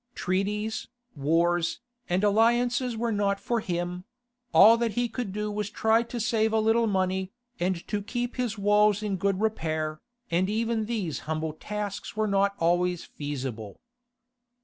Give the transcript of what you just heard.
Treaties, wars, and alliances were not for him: all that he could do was to try to save a little money, and to keep his walls in good repair, and even these humble tasks were not always feasible.